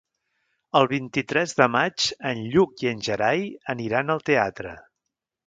El vint-i-tres de maig en Lluc i en Gerai aniran al teatre.